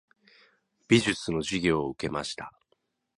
美術の授業を受けました。